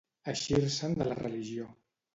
Eixir-se'n de la religió.